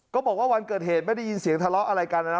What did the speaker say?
บอกว่าวันเกิดเหตุไม่ได้ยินเสียงทะเลาะอะไรกันนะนะ